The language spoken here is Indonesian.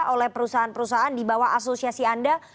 oleh perusahaan perusahaan di bawah asosiasi anda